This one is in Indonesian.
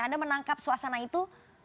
anda menangkap suasana itu